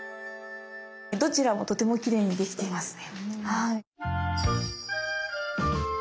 どちらもとてもきれいに出来ていますね。